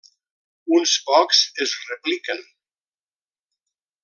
Uns pocs es repliquen.